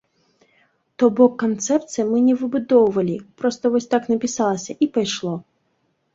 То бок канцэпцый мы не выбудоўвалі, проста вось так напісалася і пайшло.